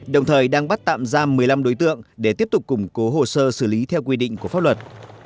đồng thời đang bắt tạm giam một mươi năm đối tượng để tiếp tục củng cố hồ sơ xử lý theo quy định của pháp luật